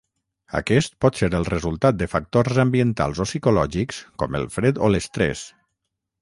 Aquest pot ser el resultat de factors ambientals o psicològics com el fred o l'estrès.